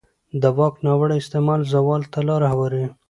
د واک ناوړه استعمال زوال ته لاره هواروي